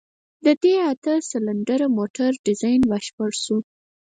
د دې اته سلنډره موټر ډيزاين بشپړ شو.